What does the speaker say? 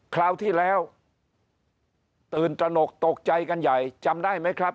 คราวที่แล้วตื่นตระหนกตกใจกันใหญ่จำได้ไหมครับ